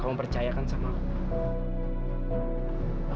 kamu percayakan sama aku